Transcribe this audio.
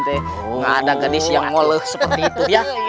tidak ada gadis yang ngolo seperti itu